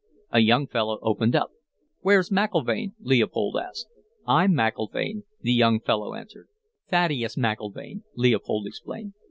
"A young fellow opened up. "'Where's McIlvaine?' Leopold asked. "'I'm McIlvaine,' the young fellow answered. "'Thaddeus McIlvaine,' Leopold explained.